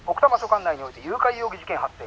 管内において誘拐容疑事件発生。